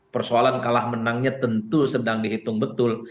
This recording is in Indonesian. persoalan kalah menangnya tentu sedang dihitung betul